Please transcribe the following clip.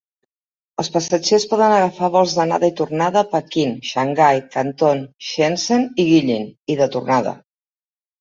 Els passatgers poden agafar vols d'anada i tornada a Pequín, Xangai, Canton, Shenzhen i Guilin i de tornada.